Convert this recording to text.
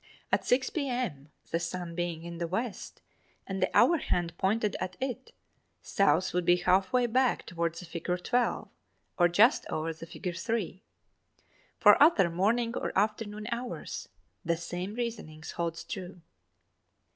At 6 p.m., the sun being in the west and the hour hand pointed at it, South would be half way back toward the figure 12, or just over the figure 3. For other morning or afternoon hours, the same reasoning holds true.